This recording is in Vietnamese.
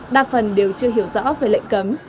đa phần đều chưa hiểu rõ về lệnh cấm